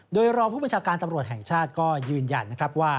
โดยรองผู้บัญชาการตำรวจแห่งชาติก็ยืนยันนะครับว่า